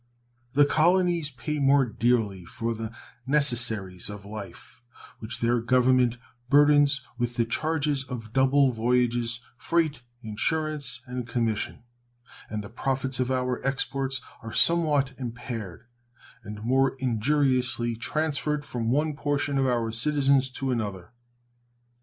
The colonies pay more dearly for the necessaries of life which their Government burdens with the charges of double voyages, freight, insurance, and commission, and the profits of our exports are somewhat impaired and more injuriously transferred from one portion of our citizens to another.